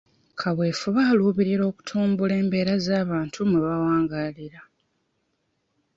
Kaweefube aluubirira okutumbula mbeera z'abantu mwe bawangaalira.